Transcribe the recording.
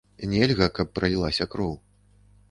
Нельга, каб пралілася кроў.